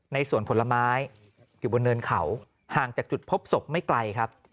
สวนผลไม้อยู่บนเนินเขาห่างจากจุดพบศพไม่ไกลครับ